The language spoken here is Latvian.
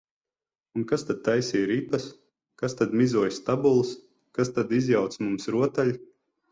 Un kas tad taisīja ripas, kas tad mizoja stabules, kas tad izjauca mums rotaļu?